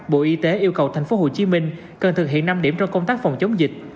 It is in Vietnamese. bộ y tế yêu cầu thành phố hồ chí minh cần thực hiện năm điểm trong công tác phòng chống dịch